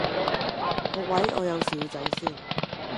各位我有事要走先